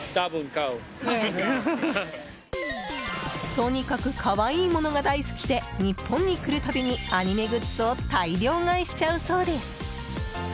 とにかく可愛いものが大好きで日本に来るたびにアニメグッズを大量買いしちゃうそうです。